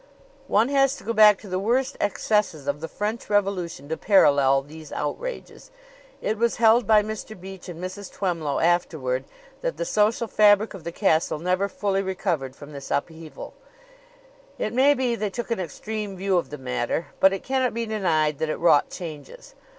One has to go back to the worst excesses of the French Revolution to parallel these outrages. It was held by Mr. Beach and Mrs. Twemlow afterward that the social fabric of the castle never fully recovered from this upheaval. It may be they took an extreme view of the matter, but it cannot be denied that it wrought changes.